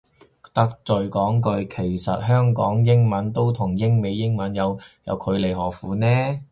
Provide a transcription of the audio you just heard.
得罪講句，其實香港英文都同英美英文都有距離何苦呢